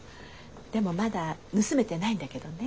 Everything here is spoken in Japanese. でもまだ盗めてないんだけどね。